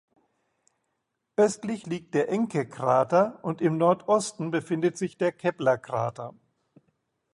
Östlich liegt der Encke-Krater und im Nordosten befindet sich der Kepler-Krater.